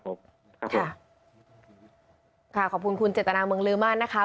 ครับผมครับผมค่ะค่ะขอบคุณคุณเจตนาเมืองลืม่านนะคะ